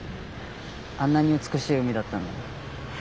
あんなに美しい海だったのに。